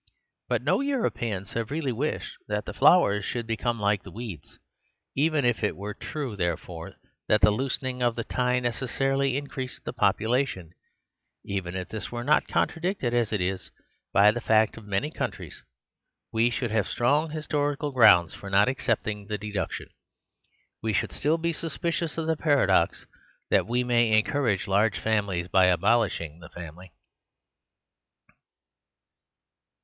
But no Europeans have really wished that the flowers should become like the weeds. Even if it were true, therefore, that the loosen ing of the tie necessarily increased the popu lation; even if this were not contradicted, as it is, by the facts of many countries, we should have strong historical grounds for not accept ing the deduction. We should still be sus picious of the paradox that we may encour age large families by abolishing the family.